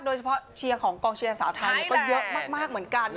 โดยเฉพาะเชียร์ของกองเชียร์สาวไทยก็เยอะมากเหมือนกัน